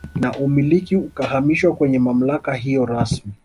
Na umiliki ukahamishiwa kwenye mamlaka hiyo rasmi